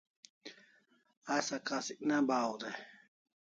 Asa kasik ne bahaw dai